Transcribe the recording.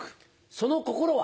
その心は？